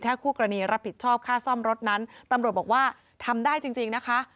คู่กรณีรับผิดชอบค่าซ่อมรถนั้นตำรวจบอกว่าทำได้จริงนะคะ